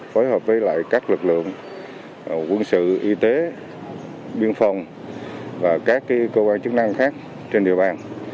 phối hợp với lại các lực lượng quân sự y tế biên phòng và các cơ quan chức năng khác trên địa bàn